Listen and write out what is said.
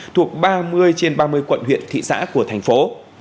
thuộc ba mươi trên ba mươi quận huyện thị xã của thành phố